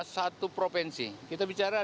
satu provinsi kita bicara